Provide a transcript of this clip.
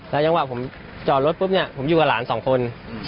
จังหวะผมจอดรถปุ๊บเนี่ยผมอยู่กับหลานสองคน